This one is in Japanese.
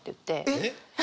えっ？